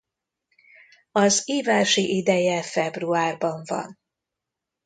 Az ívási ideje februárban van.